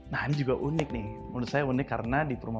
nah ini juga unik nih menurut saya unik karena